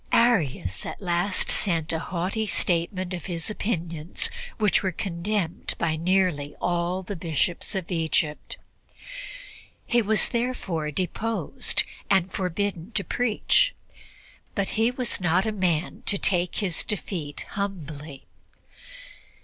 Arius at last sent a haughty statement of his opinions, which were condemned by nearly all the Bishops of Egypt. He was therefore deposed and forbidden to preach, but he was not the man to take his defeat humbly.